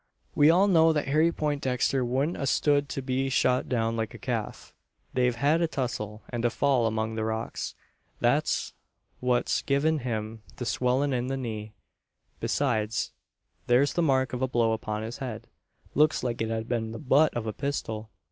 "We all know that Harry Poindexter wouldn't a stood to be shot down like a calf. They've had a tussle, and a fall among the rocks. That's what's given him the swellin' in the knee. Besides, there's the mark of a blow upon his head looks like it had been the butt of a pistol.